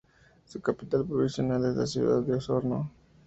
Su capital provincial es la ciudad de Osorno.